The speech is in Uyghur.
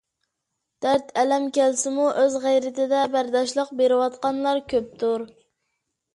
دەرت ئەلەم كەلسىمۇ ئۆز غەيرىتدە بەرداشلىق بىرۋاتقانلار كۆپتۇر